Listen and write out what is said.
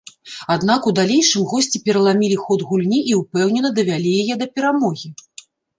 Аднак у далейшым госці пераламілі ход гульні і ўпэўнена давялі яе да перамогі.